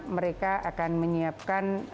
mereka akan menyiapkan